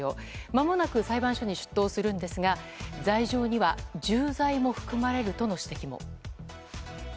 まもなく裁判所に出頭するんですが罪状には重罪も含まれるとの指摘も。